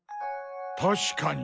確かに。